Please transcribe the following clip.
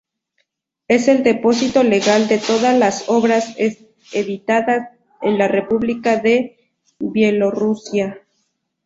Es el depósito legal de todas las obras editadas en la República de Bielorrusia.